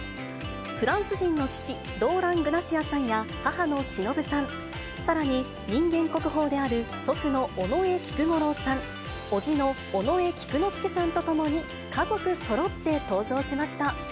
フランス人の父、ローラン・グナシアさんや、母のしのぶさん、さらに人間国宝である祖父の尾上菊五郎さん、おじの尾上菊之助さんと共に家族そろって登場しました。